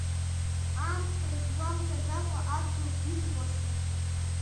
Амаҭа изгәамҭаӡакәа адгьыл иҵӷәасон.